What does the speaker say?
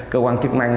cơ quan chức năng